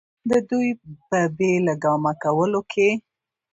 د دوي پۀ بې لګامه کولو کښې